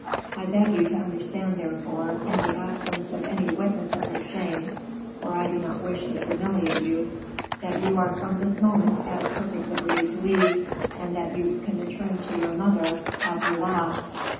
I beg you to understand, therefore, in the absence of any witness of your shame for I do not wish to humiliate you that you are from this moment at perfect liberty to leave, and that you can return to your mother at Blois."